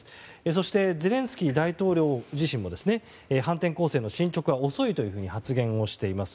そしてゼレンスキー大統領自身も反転攻勢の進捗が遅いと発言しています。